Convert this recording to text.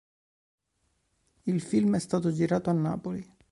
Il film è stato girato a Napoli.